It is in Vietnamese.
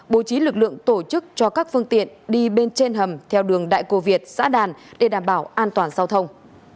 bố trí lực lượng tổ chức cho các phương tiện đi bên trên hầm theo đường đại cô việt xã đàn để đảm bảo an toàn giao thông